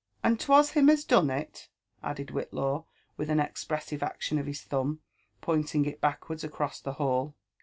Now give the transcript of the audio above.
*'And 'twas him as done HT* added Whillaw with an eipresstre action of his thumb, pointing it backwards across the hall.